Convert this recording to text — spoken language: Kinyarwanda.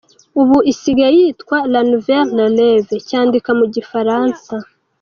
Ubu isigaye yitwa « La Nouvelle Relève » cyandika mu Gifaransa.